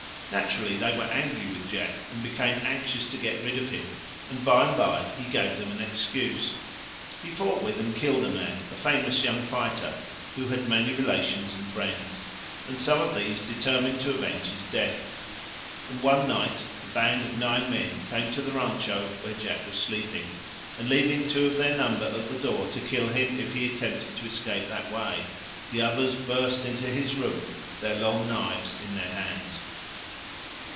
Naturally, they were angry with Jack and became anxious to get rid of him, and by and by he gave them an excuse. He fought with and killed a man, a famous young fighter, who had many relations and friends, and some of these determined to avenge his death. And one night a band of nine men came to the rancho where Jack was sleeping, and leaving two of their number at the door to kill him if he attempted to escape that way, the others burst into his room, their long knives in their hands.